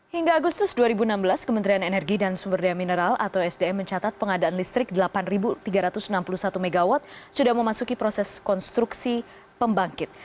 hingga agustus dua ribu enam belas kementerian energi dan sumber daya mineral atau sdm mencatat pengadaan listrik delapan tiga ratus enam puluh satu mw sudah memasuki proses konstruksi pembangkit